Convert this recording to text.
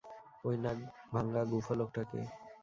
ঐ নাক ভাঙা গুঁফো লোকটা কে?